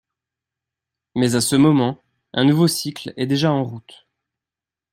Mais à ce moment, un nouveau cycle est déjà en route.